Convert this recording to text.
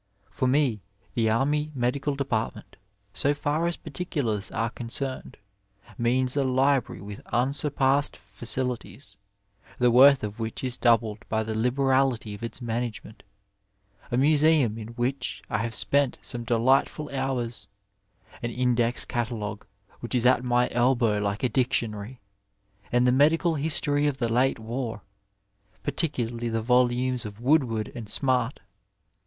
For me the Army Medical Department, so far as particulars are concerned, means a library with unsurpassed facilities, the worth of which is doubled by the liberality of its management; a museum in which I have spent some delightful hours; an index catcdogue, which is at my elbow like a dictionary ; and the medical history of the late war, particularly the volumes by Woodward and Smart.